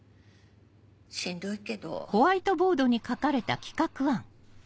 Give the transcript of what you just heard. しんどいけど。